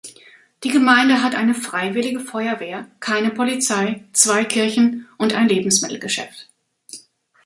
Die Gemeinde hat eine Freiwillige Feuerwehr, keine Polizei, zwei Kirchen und ein Lebensmittelgeschäft.